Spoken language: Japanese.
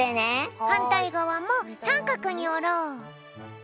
はんたいがわもさんかくにおろう。